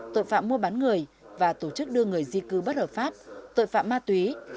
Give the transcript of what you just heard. tội phạm mua bán người và tổ chức đưa người di cư bất hợp pháp tội phạm ma túy